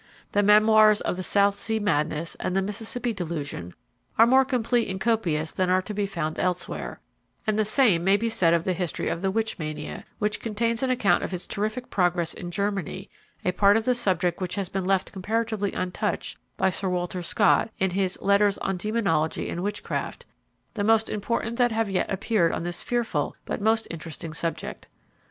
The memoirs of the South Sea madness and the Mississippi delusion are more complete and copious than are to be found elsewhere; and the same may be said of the history of the Witch Mania, which contains an account of its terrific progress in Germany, a part of the subject which has been left comparatively untouched by Sir Walter Scott in his Letters on Demonology and Witchcraft, the most important that have yet appeared on this fearful but most interesting subject.